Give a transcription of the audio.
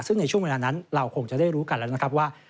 ซึ่งในช่วงเวลานั้นเราคงจะได้รู้กันแล้วนะครับว่า